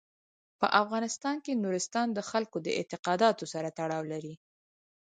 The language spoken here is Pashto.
په افغانستان کې نورستان د خلکو د اعتقاداتو سره تړاو لري.